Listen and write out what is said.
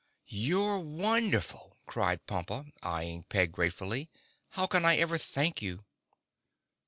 "You're wonderful!" cried Pompa, eying Peg gratefully. "How can I ever thank you?"